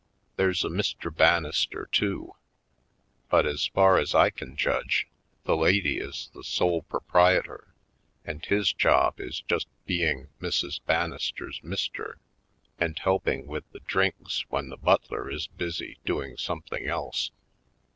There's a Mr. Banister, too, but as far as I can judge, the lady is the sole proprietor and his job is just being Mrs. Banister's Mr. and helping with the drinks when the butler is busy doing some thing else.